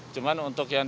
cuman untuk yang